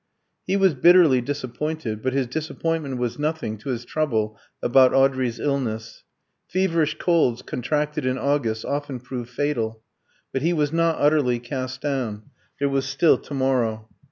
He was bitterly disappointed, but his disappointment was nothing to his trouble about Audrey's illness. Feverish colds contracted in August often prove fatal. But he was not utterly cast down. There was still to morrow.